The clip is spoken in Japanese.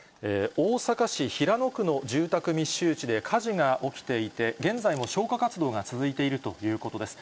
大阪市平野区の住宅密集地で火事が起きていて、現在も消火活動が続いているということです。